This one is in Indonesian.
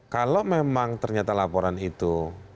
kalau memang ternyata laporan itu